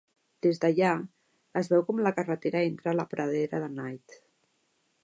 Des d"allà, es veu com la carretera entra a la pradera de Knight.